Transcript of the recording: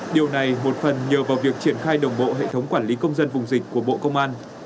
điều này một phần nhờ vào việc triển khai đồng bộ hệ thống quản lý công dân vùng dịch của bộ công an